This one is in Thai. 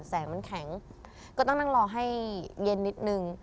แสงมันแข็งก็ต้องนั่งรอให้เย็นนิดนึง